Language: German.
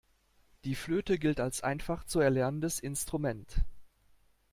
Die Flöte gilt als einfach zu erlernendes Instrument.